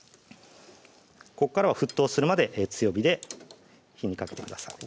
こっからは沸騰するまで強火で火にかけてください